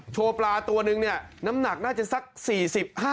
โชว์ปลาตัวนึงเนี่ยน้ำหนักน่าจะสัก๔๕บาท